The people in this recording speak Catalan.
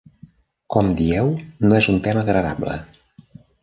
Com dieu, no és un tema agradable.